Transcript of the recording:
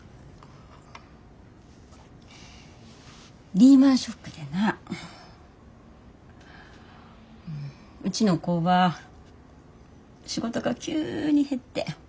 リーマンショックでなうちの工場仕事が急に減って。